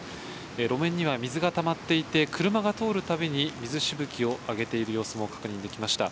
路面には水がたまっていて、車が通るたびに、水しぶきを上げている様子も確認できました。